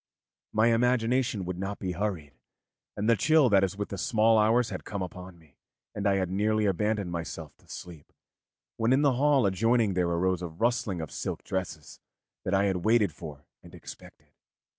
My imagination would not be hurried, and the chill that is with the small hours had come upon me, and I had nearly abandoned myself to sleep, when in the hall adjoining there arose the rustling of silk dresses that I had waited for and expected.